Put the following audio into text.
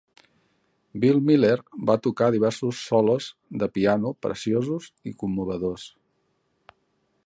Bill Miller va tocar diversos solos de piano preciosos i commovedors.